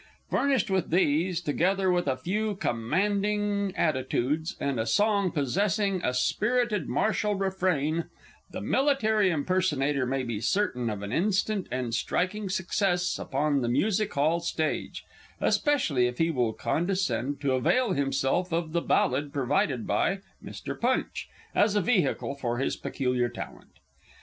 Furnished with these, together with a few commanding attitudes, and a song possessing a spirited, martial refrain, the Military Impersonator may be certain of an instant and striking success upon the Music hall stage, especially if he will condescend to avail himself of the ballad provided by Mr. Punch, as a vehicle for his peculiar talent.